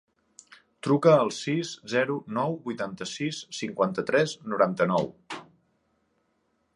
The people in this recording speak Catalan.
Truca al sis, zero, nou, vuitanta-sis, cinquanta-tres, noranta-nou.